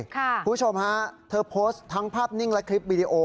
คุณผู้ชมฮะเธอโพสต์ทั้งภาพนิ่งและคลิปวิดีโอ